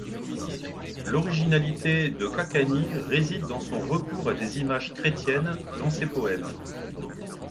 L'originalité de Khaqani réside dans son recours à des images chrétiennes dans ses poèmes.